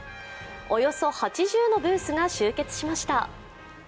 およそ８０のブースが集結しました。